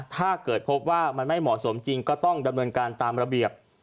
ถ้าเกิดพบว่ามันไม่เหมาะสมจริงก็ต้องดำเนินการตามระเบียบ